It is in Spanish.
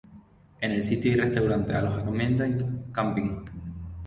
En el sitio hay restaurante, alojamiento y camping.